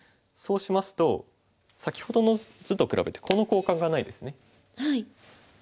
そうしますと先ほどの図と比べてこの交換がないですね。